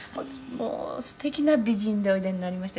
「もうすてきな美人でおいでになりまして」